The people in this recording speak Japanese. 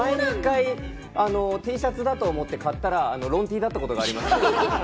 前に１回、Ｔシャツだと思って買ったらロンＴだったことがありました。